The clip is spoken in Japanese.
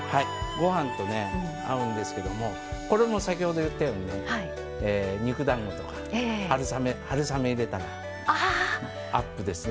ご飯と合うんですけどもこれも、先ほど言ったように肉だんごとか春雨を入れたらアップですね。